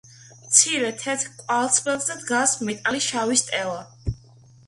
მცირე თეთრ კვარცხლბეკზე დგას მეტალის შავი სტელა.